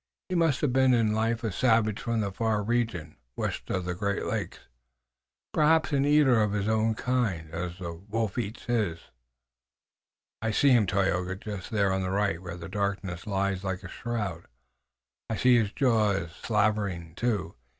He must have been in life a savage from the far region, west of the Great Lakes, perhaps an eater of his own kind, as the wolf eats his." "I see him, Tayoga, just there on the right where the darkness lies like a shroud. I see his jaws slavering too.